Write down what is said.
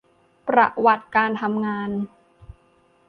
ประวัติการทำงาน